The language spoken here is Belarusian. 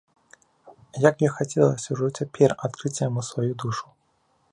Як ёй хацелася ўжо цяпер адкрыць яму сваю душу!